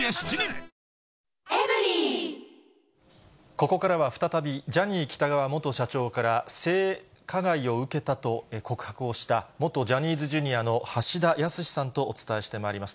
ここからは再び、ジャニー喜多川元社長から性加害を受けたと告白をした元ジャニーズＪｒ．の橋田康さんとお伝えしてまいります。